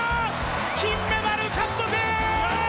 金メダル獲得！